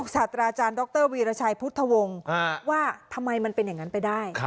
ศาสตราอาจารย์ดรวีรชัยพุทธวงศ์ว่าทำไมมันเป็นอย่างนั้นไปได้